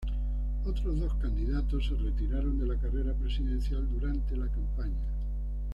Otros dos candidatos se retiraron de la carrera presidencial durante la campaña.